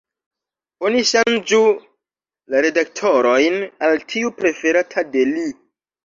Oni ŝanĝu la redaktorojn al tiu preferata de li.